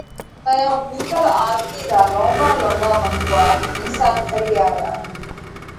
تئيون ۿُوتل آۮمِي را لونٻا لونٻا مٿُوئاۯ نِيسا کري آيا۔